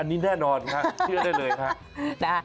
อันนี้แน่นอนค่ะเชื่อได้เลยค่ะ